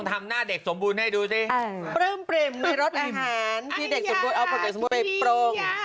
ที่เด็กสมบูรณ์เอาไปปรง